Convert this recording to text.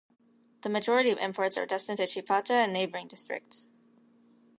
The majority of imports are destined to Chipata and neighboring districts.